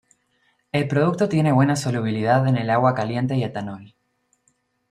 El producto tiene buena solubilidad en el agua caliente y etanol.